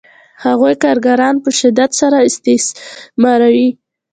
هغوی کارګران په شدت سره استثماروي